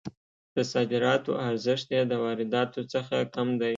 د صادراتو ارزښت یې د وارداتو څخه کم دی.